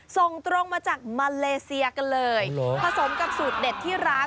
ส่งตรงมาจากมาเลเซียกันเลยผสมกับสูตรเด็ดที่ร้าน